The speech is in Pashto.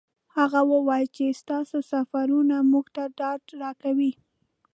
هغه وویل چې ستاسو سفرونه موږ ته ډاډ راکوي.